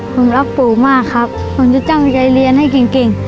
ผมรักปูมากครับผมจะจังให้เรียนให้กลิ่นกลิ่น